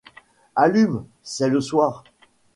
Allume ; c’est le soir.